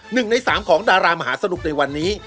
หนึ่งในสามของดารามหาสนุกในวันนี้